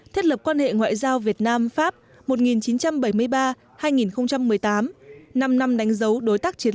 thiết lập quan hệ ngoại giao việt nam pháp một nghìn chín trăm bảy mươi ba hai nghìn một mươi tám năm năm đánh dấu đối tác chiến